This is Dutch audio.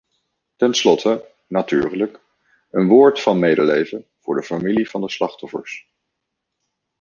Ten slotte, natuurlijk, een woord van medeleven voor de familie van de slachtoffers.